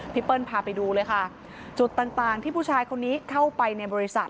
เปิ้ลพาไปดูเลยค่ะจุดต่างที่ผู้ชายคนนี้เข้าไปในบริษัท